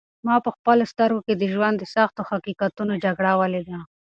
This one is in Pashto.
ما په خپلو سترګو کې د ژوند د سختو حقیقتونو جګړه ولیده.